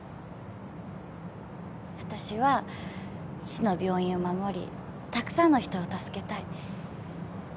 私は父の病院を守りたくさんの人を助けたい。